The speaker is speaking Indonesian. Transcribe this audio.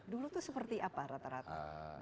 dulu itu seperti apa rata rata